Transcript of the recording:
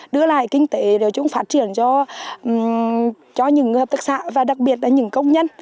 đưa lại kinh tế nói chung phát triển cho những hợp tác xã và đặc biệt là những công nhân